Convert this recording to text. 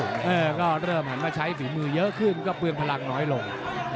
เออก็เริ่มหันมาใช้ฝีมือเยอะขึ้นก็เปลืองพลังน้อยลง